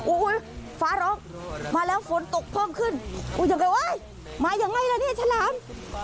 โอ้ยฟ้าร้องมาแล้วฝนตกเพิ่มขึ้นมายังไงแล้วเนี่ยฉลาม